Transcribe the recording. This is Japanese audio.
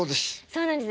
そうなんです。